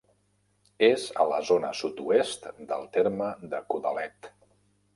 És a la zona sud-oest del terme de Codalet.